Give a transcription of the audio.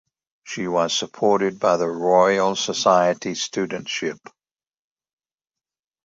She was supported by the Royal Society studentship.